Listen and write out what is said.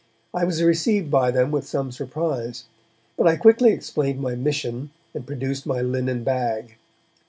I was received by them with some surprise, but I quickly explained my mission, and produced my linen bag.